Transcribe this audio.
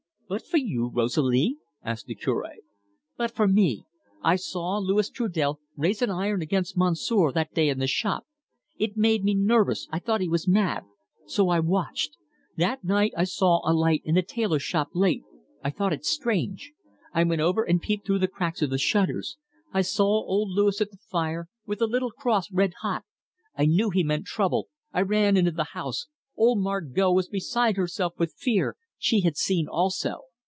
"But for you, Rosalie?" asked the Cure. "But for me. I saw Louis Trudel raise an iron against Monsieur that day in the shop. It made me nervous I thought he was mad. So I watched. That night I saw a light in the tailor shop late. I thought it strange. I went over and peeped through the cracks of the shutters. I saw old Louis at the fire with the little cross, red hot. I knew he meant trouble. I ran into the house. Old Margot was beside herself with fear she had seen also.